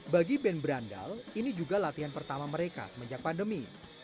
bagi band berandal ini juga latihan pertama mereka semenjak pandemi